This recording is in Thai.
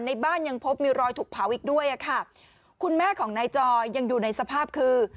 ในบ้านยังพบมีรอยถูกเผาอีกด้วยอ่ะค่ะคุณแม่ของนายจอยยังอยู่ในสภาพคือ